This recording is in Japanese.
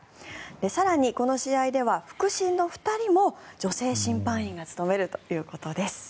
更に、この試合では副審の２人も女性審判員が務めるということです。